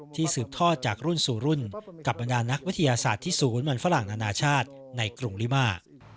สืบทอดจากรุ่นสู่รุ่นกับบรรดานักวิทยาศาสตร์ที่ศูนย์มันฝรั่งนานาชาติในกรุงลิมา